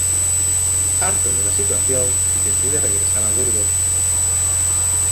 Harto de la situación, decide regresar a Burgos.